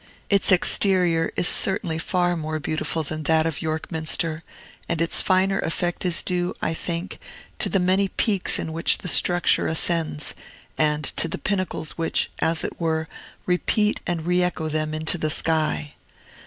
Its exterior is certainly far more beautiful than that of York Minster; and its finer effect is due, I think, to the many peaks in which the structure ascends, and to the pinnacles which, as it were, repeat and re echo them into the sky.